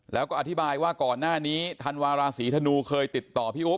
แล้วก็อธิบายว่าก่อนหน้านี้ธันวาราศีธนูเคยติดต่อพี่อุ๊